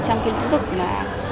trong cái lĩnh vực mà